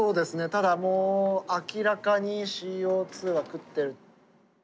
ただもう明らかにＣＯは食ってる。